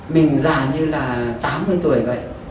mình già như là tám mươi tuổi vậy